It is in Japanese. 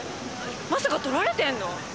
まさか撮られてんの？